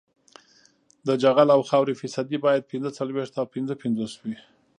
د جغل او خاورې فیصدي باید پینځه څلویښت او پنځه پنځوس وي